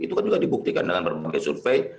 itu kan juga dibuktikan dengan berbagai survei